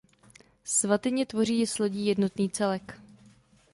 Svatyně tvoří s lodí jednotný celek.